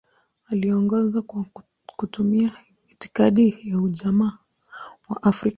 Aliongoza kwa kutumia itikadi ya Ujamaa wa Afrika.